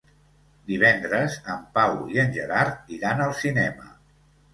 Divendres en Pau i en Gerard iran al cinema.